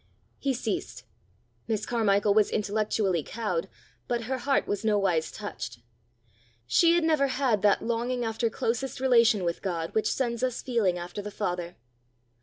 He ceased. Miss Carmichael was intellectually cowed, but her heart was nowise touched. She had never had that longing after closest relation with God which sends us feeling after the father.